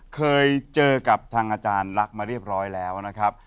เคยเจอกับทางอาจารย์ลักษณ์มาเรียบร้อยแล้วนะครับ